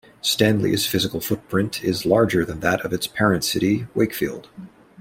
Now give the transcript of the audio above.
Stanley's physical footprint is larger than that of its parent City Wakefield.